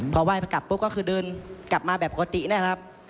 พอว่ายกลับก็คือเดินกลับมาแบบปกตินะครับ